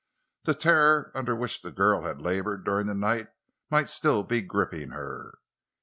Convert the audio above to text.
The terror under which the girl had labored during the night might still be gripping her.